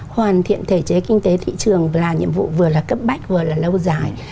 hoàn thiện thể chế kinh tế thị trường là nhiệm vụ vừa là cấp bách vừa là lâu dài